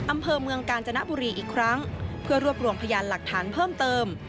อำเภอเมืองกาญจนบุรีอีกครั้งเพื่อรวบรวมพยานหลักฐานเพิ่มเติม